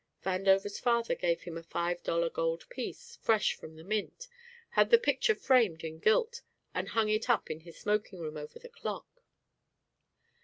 Vandover's father gave him a five dollar gold piece, fresh from the mint, had the picture framed in gilt and hung it up in his smoking room over the clock.